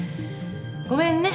ごめんね。